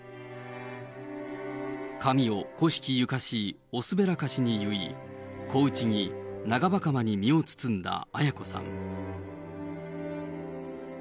髪を古式ゆかしいおすべらかしに結い、小袿、長ばかまに身を包んだ絢子さん。